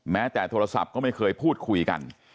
แม้แต่โทรศัพท์ก็ไม่เคยพูดคุยกัน